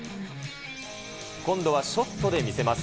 今度はショットで見せます。